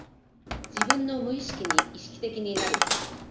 自分の無意識に意識的になる。